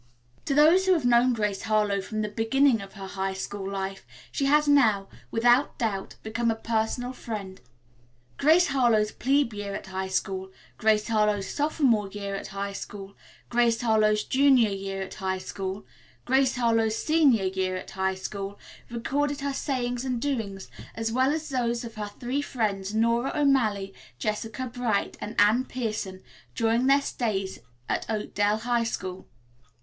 To those who have known Grace Harlowe from the beginning of her high school life she has now, without doubt, become a personal friend. "Grace Harlowe's Plebe Year at High School," "Grace Harlowe's Sophomore Year at High School," "Grace Harlowe's Junior Year at High School," "Grace Harlowe's Senior Year at High School" recorded her sayings and doings as well as those of her three friends, Nora O'Malley, Jessica Bright and Anne Pierson during their student days at Oakdale High School.